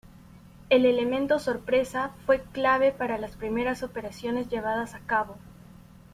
El elemento sorpresa fue clave para las primeras operaciones llevadas a cabo.